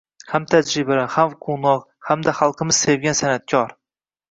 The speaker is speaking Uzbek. Ham tajribali, ham quvnoq hamda xalqimiz sevgan san’atkor